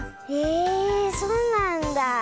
えそうなんだ。